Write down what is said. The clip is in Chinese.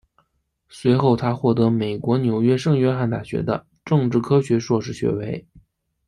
随后他获得美国纽约圣约翰大学的政治科学硕士学位。